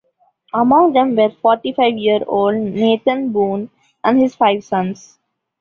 Among them were forty-five-year-old Nathan Boon and his five sons.